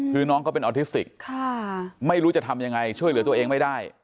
คือน้องก็เป็นออทิสติกไม่รู้จะทำยังไงช่วยเหลือตัวเองไม่ได้